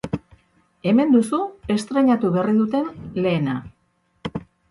Hemen duzu estreinatu berri duten lehena.